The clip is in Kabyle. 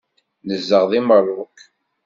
Nezdeɣ deg Meṛṛuk.